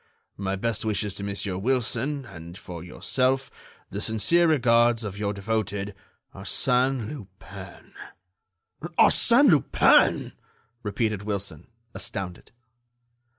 "My best wishes to Monsieur Wilson, and, for yourself, the sincere regards of your devoted ARSÈNE LUPIN." "Arsène Lupin!" repeated Wilson, astounded.